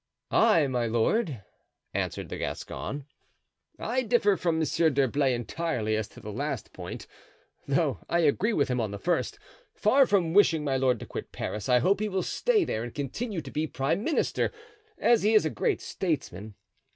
"I, my lord," answered the Gascon, "I differ from Monsieur d'Herblay entirely as to the last point, though I agree with him on the first. Far from wishing my lord to quit Paris, I hope he will stay there and continue to be prime minister, as he is a great statesman.